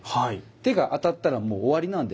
手が当たったらもう終わりなんです。